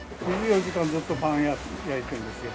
２４時間ずっとパン焼いてるんですよ。